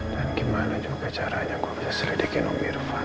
dan gimana juga caranya gue bisa selidiki nobih irfan